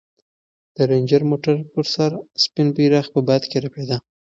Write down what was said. د رنجر موټر پر سر سپین بیرغ په باد کې رپېده.